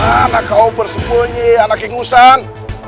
anak kau bersembunyi anak ingusan